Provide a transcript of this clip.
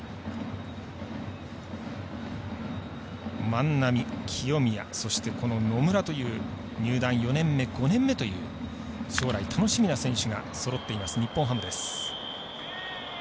万波、清宮そして野村という入団４年目５年目という将来楽しみな選手がそろっています、日本ハムです。